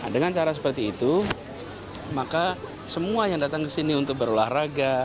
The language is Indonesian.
dengan cara seperti itu maka semua yang datang ke sini untuk berolahraga